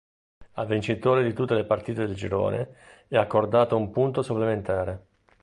Al vincitore di tutte le partite del girone è accordato un punto supplementare.